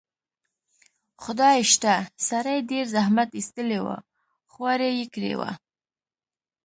خدای شته، سړي ډېر زحمت ایستلی و، خواري یې کړې وه.